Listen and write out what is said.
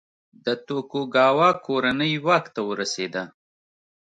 د توکوګاوا کورنۍ واک ته ورسېده.